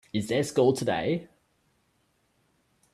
Is there school today?